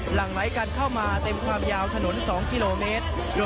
หลังไหลกันเข้ามาเต็มความยาวถนน๒กิโลเมตร